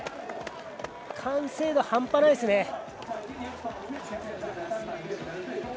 完成度、半端ないですね！